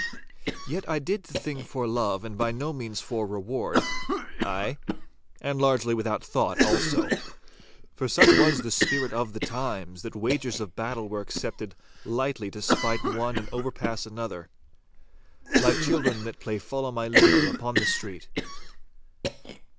Yet I did the thing for love and by no means for reward. Ay, and largely without thought also. For such was the spirit of the times, that wagers of battle were accepted lightly to spite one and overpass another, like children that play Follow my leader upon the street.